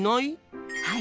はい。